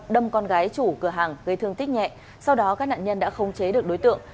đâm con gái chủ cửa hàng gây thương tích nhẹ sau đó các nạn nhân đã không chế được đối tượng